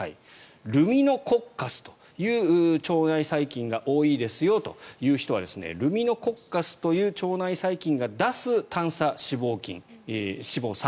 ルミノコッカスという腸内細菌が多いですよという人はルミノコッカスという腸内細菌が出す短鎖脂肪酸